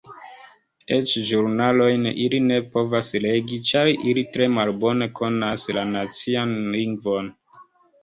Eĉ ĵurnalojn ili ne povas legi ĉar ili tre malbone konas la nacian lingvon.